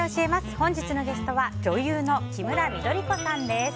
本日のゲストは女優のキムラ緑子さんです。